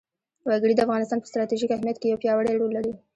وګړي د افغانستان په ستراتیژیک اهمیت کې یو پیاوړی رول لري.